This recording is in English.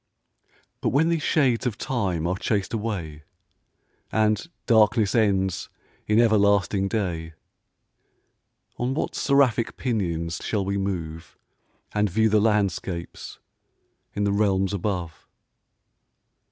But when these shades of time are chas'd away, And darkness ends in everlasting day, On what seraphic pinions shall we move, And view the landscapes in the realms above?